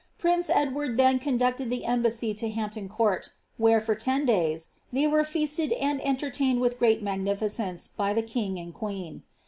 Prince Edward then conducted the embassy to Hampton Court, where* for ten days, they were feasted and entertained with great raagnificeoce* by the king and queen.